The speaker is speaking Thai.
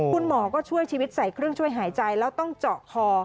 คุณหมอก็ช่วยชีวิตใส่เครื่องช่วยหายใจแล้วต้องเจาะคอ